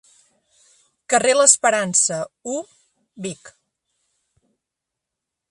Carrer l'Esperança, u, Vic.